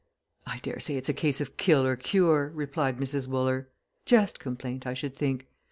"I daresay it's a case of kill or cure," replied Mrs. Wooler. "Chest complaint, I should think.